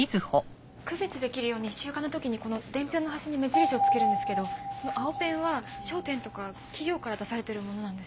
区別できるように集荷の時にこの伝票の端に目印を付けるんですけど青ペンは商店とか企業から出されてるものなんです。